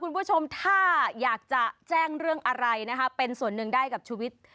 คุณผู้ชมถ้าอยากจะแจ้งเรื่องอะไรนะคะเป็นส่วนหนึ่งได้กับชุวิต